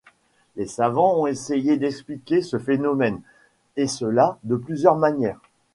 Les savants ont essayé d'expliquer ce phénomène, et cela de plusieurs manières.